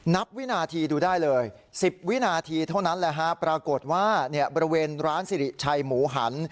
วินาทีดูได้เลย๑๐วินาทีเท่านั้นแหละฮะปรากฏว่าบริเวณร้านสิริชัยหมูหัน